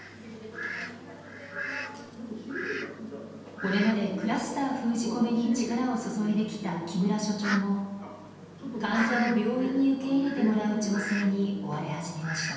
これまでクラスター封じ込めに力を注いできた木村所長も患者を病院に受け入れてもらう調整に追われ始めました。